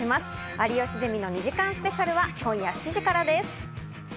『有吉ゼミ』の２時間スペシャルは今夜７時からです。